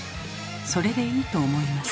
それでいいと思います。